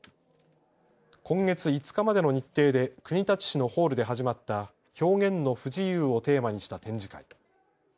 今月５日までの日程で国立市のホールで始まった表現の不自由をテーマにした展示会。